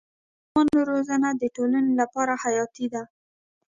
د ماشومانو روزنه د ټولنې لپاره حیاتي ده.